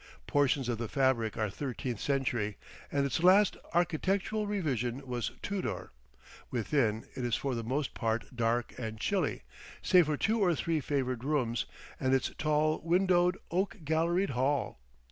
Portions of the fabric are thirteenth century, and its last architectural revision was Tudor; within, it is for the most part dark and chilly, save for two or three favoured rooms and its tall windowed, oak galleried hall.